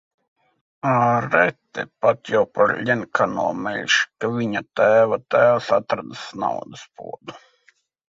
Āre, tepat jau par Ļenkano melš, ka viņa tēva tēvs atradis naudas podu.